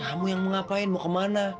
kamu yang mau ngapain mau kemana